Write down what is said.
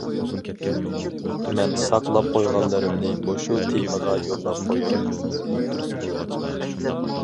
مەن ساقلاپ قويغانلىرىمنى مۇشۇ تېمىغا يوللاپ قوياي.